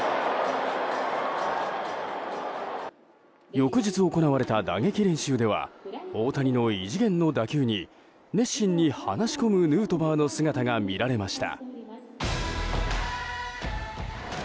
翌日行われた打撃練習では大谷の異次元の打球に熱心に話し込むヌートバーの姿も見られました。